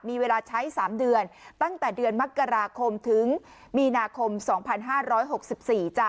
มีเวลาใช้๓เดือนตั้งแต่เดือนมกราคมถึงมีนาคม๒๕๖๔จ้ะ